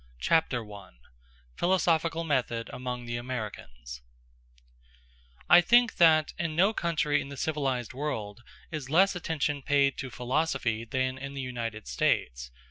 Chapter I: Philosophical Method Among the Americans I think that in no country in the civilized world is less attention paid to philosophy than in the United States.